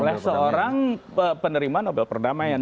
oleh seorang penerima nobel perdamaian